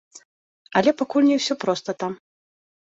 Але пакуль не ўсё проста там.